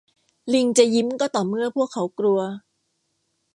ลิงจะยิ้มก็ต่อเมื่อพวกเขากลัว